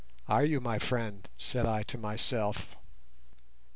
"Are you, my friend?" said I to myself.